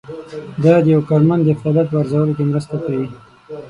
دا د یو کارمند د فعالیت په ارزولو کې مرسته کوي.